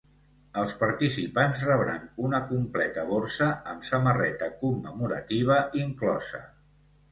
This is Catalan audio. Els participants rebran una completa borsa amb samarreta commemorativa inclosa.